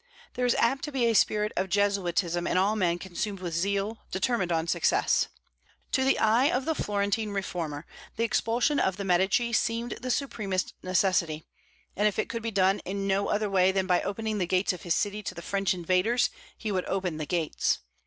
There is apt to be a spirit of Jesuitism in all men consumed with zeal, determined on success. To the eye of the Florentine reformer, the expulsion of the Medici seemed the supremest necessity; and if it could be done in no other way than by opening the gates of his city to the French invaders, he would open the gates.